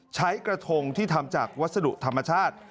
ใช้กระทงที่ทำจากวัสดุธรรมชาติ